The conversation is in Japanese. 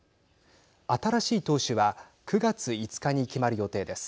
新しい党首は９月５日に決まる予定です。